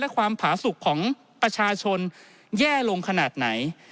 และความผาสุขของประชาชนแย่ลงขนาดไหน